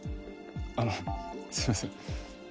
あのすいません